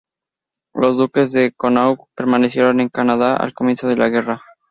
Los duques de Connaught permanecieron en Canadá al comienzo de la Guerra.